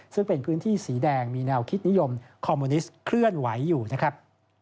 ซึ่งเป็นพื้นที่สีแดงมีแนวคิดนิยมคอมมูนิสต์เคลื่อนไหวอยู่นะครับ